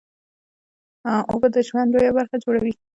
اوبه د ژوند لویه برخه جوړوي